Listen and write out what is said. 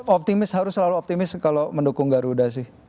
optimis harus selalu optimis kalau mendukung garuda sih